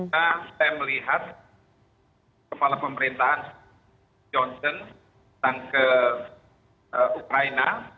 saya melihat kepala pemerintahan johnson datang ke ukraina